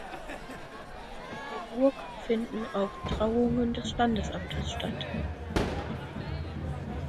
In der Burg finden auch Trauungen des Standesamtes statt.